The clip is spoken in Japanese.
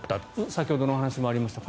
先ほどのお話にもありました